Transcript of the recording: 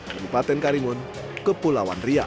di bupaten karimun kepulauan riau